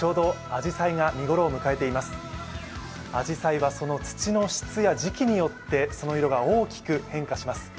あじさいはその土の質や時期によって、その色が大きく変化します。